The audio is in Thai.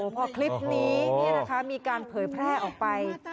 พอคลิปนี้มีการเผยแพร่ออกไป